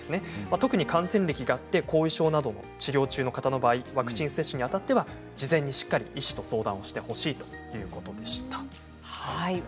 特に感染歴があって後遺症などを治療中の方の場合ワクチン接種にあたっては事前に医師としっかりと相談してほしいということでした。